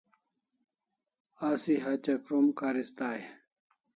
Asi hatya krom karis dai